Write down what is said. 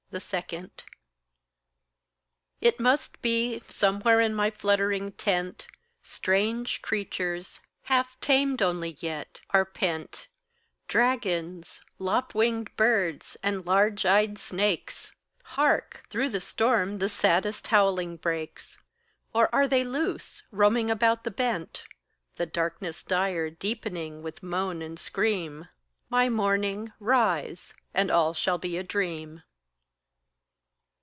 2. It must be, somewhere in my fluttering tent, Strange creatures, half tamed only yet, are pent Dragons, lop winged birds, and large eyed snakes! Hark! through the storm the saddest howling breaks! Or are they loose, roaming about the bent, The darkness dire deepening with moan and scream? My Morning, rise, and all shall be a dream.